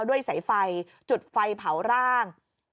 ด้วยสายไฟจุดไฟเผาร่าง